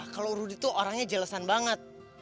kalau rudi itu orangnya jelasan banget